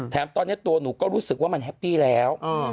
ตอนนี้ตัวหนูก็รู้สึกว่ามันแฮปปี้แล้ว